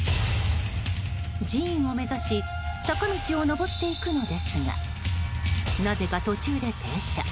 寺院を目指し坂道を上っていくのですがなぜか、途中で停車。